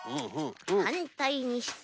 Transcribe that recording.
はんたいにして。